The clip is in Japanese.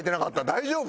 大丈夫？